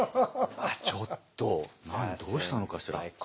ちょっとどうしたのかしら。